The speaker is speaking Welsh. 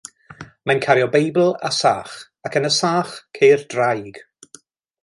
Mae'n cario Beibl a sach, ac yn y sach ceir draig.